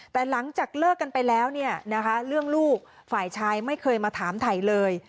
แต่หลังจากเลิกกันไปแล้วเนี่ยนะคะเรื่องลูกฝ่ายชายไม่เคยมาถามถ่ายเลย